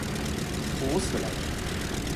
土死了！